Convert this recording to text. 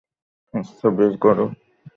আচ্ছা, বের করি।